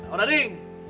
eh udah ding